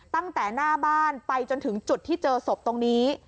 ตั้งแต่หน้าบ้านไปจนถึงจุดที่เจอศพตรงนี้